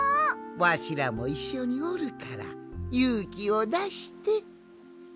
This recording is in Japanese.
わしらもいっしょにおるからゆうきをだして。